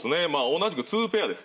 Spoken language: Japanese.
同じく２ペアですでも。